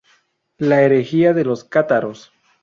La herejía de los cátaros.